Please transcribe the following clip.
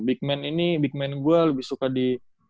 big man ini big man gue lebih suka di